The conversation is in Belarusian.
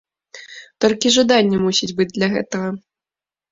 Толькі жаданне мусіць быць для гэтага.